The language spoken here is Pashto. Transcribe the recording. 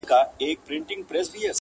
ټوله ته وای ټوله ته وای!